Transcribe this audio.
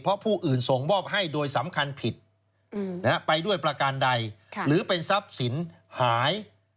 เพราะผู้อื่นส่งมอบให้โดยสำคัญผิดไปด้วยประการใดหรือเป็นทรัพย์สินหาย